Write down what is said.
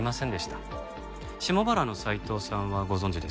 下原の斉藤さんはご存じですよね？